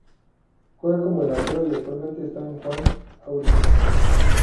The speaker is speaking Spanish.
Juega como delantero y actualmente está en Juan Aurich.